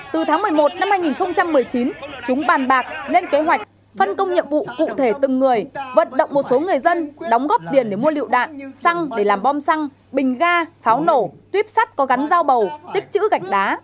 từ tháng một mươi một năm hai nghìn một mươi chín chúng bàn bạc lên kế hoạch phân công nhiệm vụ cụ thể từng người vận động một số người dân đóng góp tiền để mua lựu đạn xăng để làm bom xăng bình ga pháo nổ tuyếp sắt có gắn dao bầu tích chữ gạch đá